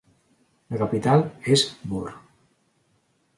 La capital és Bor.